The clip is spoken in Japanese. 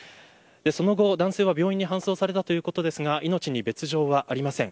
その後、男性は病院に搬送されたということですが命に別条はありません。